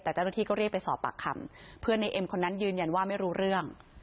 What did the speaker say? แต่เจ้าหน้าที่ก็เรียกไปสอบปากคำเพื่อนในเอ็มคนนั้นยืนยันว่าไม่รู้เรื่อง